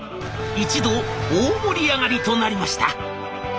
一同大盛り上がりとなりました。